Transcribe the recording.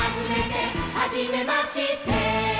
「はじめまして」